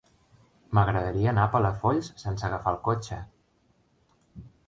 M'agradaria anar a Palafolls sense agafar el cotxe.